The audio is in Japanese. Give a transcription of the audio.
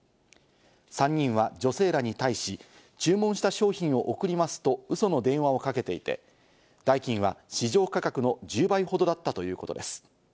３人は女性らに対し、注文した商品を送りますとうその電話をかけていて、代金は市場価格の１０倍ほどだったということです。